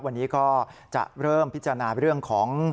วันนี้ก็จะเริ่มพิจารณาเรื่องของ